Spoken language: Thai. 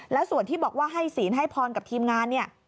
แล้วส่วนที่บอกว่าให้ศีลให้พรกับทีมงานเนี่ย